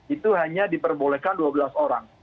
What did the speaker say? itu hanya diperbolehkan dua belas orang